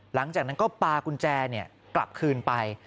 หลังจากนั้นก็ปากุญแจกลับคืนไป